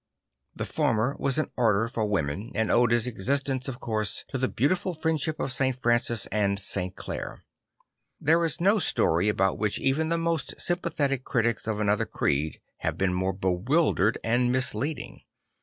The fonner was an order for women and owed its existence, of course, to the beautiful friendship of St. Francis and St. Clare. There is no story about which even the most sympathetic critics of another creed have been more bewildered and misleading.